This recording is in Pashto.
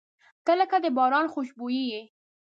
• ته لکه د باران خوشبويي یې.